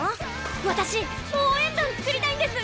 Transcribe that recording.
私応援団作りたいんです！